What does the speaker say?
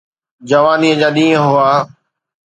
جوانيءَ جا ڏينهن هئا.